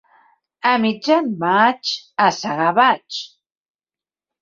A mitjan maig a segar vaig.